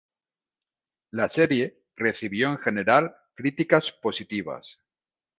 La serie recibió en general críticas positivas.